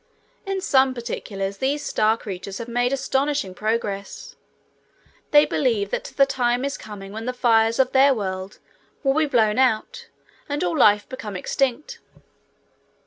In some other particulars, these star creatures have made astonishing progress. They believe that the time is coming when the fires of their world will be blown out and all life become extinct.